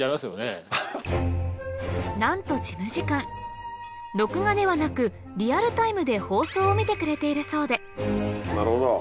なんと事務次官録画ではなくリアルタイムで放送を見てくれているそうでなるほど！